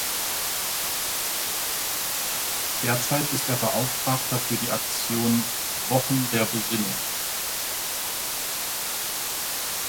Derzeit ist er Beauftragter für die Aktion "Wochen der Besinnung".